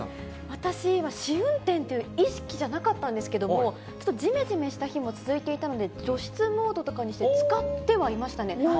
私は、試運転っていう意識じゃなかったんですけど、ちょっとじめじめした日も続いていたので、除湿モードとかにして使ってはいましたね。